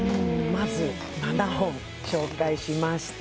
まず７本紹介しました